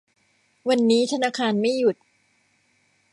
วันนี้ธนาคารไม่หยุด